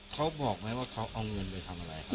เขาบอกไหมว่าเขาเอาเงินไปทำอะไรครับ